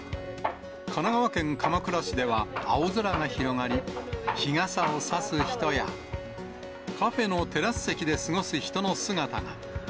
神奈川県鎌倉市では青空が広がり、日傘を差す人や、カフェのテラス席で過ごす人の姿が。